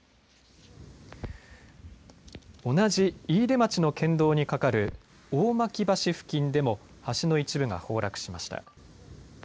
同じ飯豊町の県道に架かる大巻橋付近でも橋の一部が崩落しました。